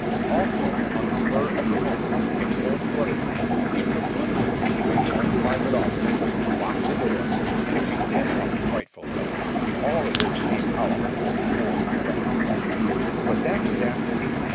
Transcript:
Also, on the spur of the moment but cold bloodedly, he took Winwood into his own private office, looked the doors, and beat him up frightfully—all of which came out before the Board of Directors. But that was afterward.